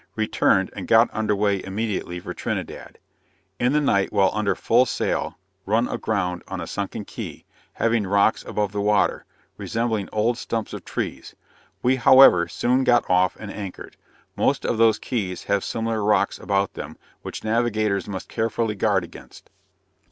Returned, and got under way immediately for Trinidad. In the night while under full sail, run aground on a sunken Key, having rocks above the water, resembling old stumps of trees; we, however, soon got off and anchored. Most of those Keys have similar rocks about them, which navigators must carefully guard against.